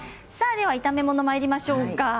では炒め物にまいりましょうか。